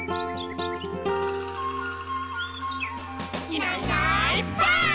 「いないいないばあっ！」